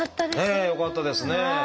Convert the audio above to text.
ねえよかったですね。